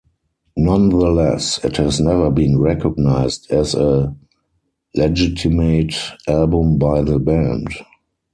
Nonetheless, it has never been recognized as a legitimate album by the band.